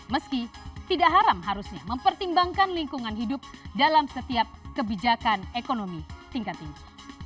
meski tidak haram harusnya mempertimbangkan lingkungan hidup dalam setiap kebijakan ekonomi tingkat tinggi